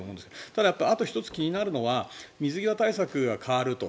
ただ、あと１つ気になるのは水際対策が変わると。